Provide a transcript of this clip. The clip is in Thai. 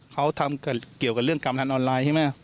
เขาทำเกี่ยวกับเรื่องการพนันออนไลน์ใช่ไหม